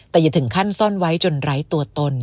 แต่อย่าถึงขั้นซ่อนไว้จนไร้ตัวตน